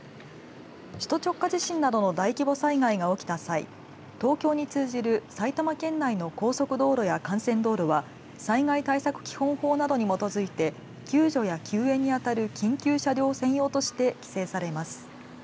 首都直下地震などの大規模災害が起きた際東京に通じる埼玉県内の高速道路や幹線道路は災害対策基本法などに基づいて救助や救援に当たる緊急車両専用として規制されます。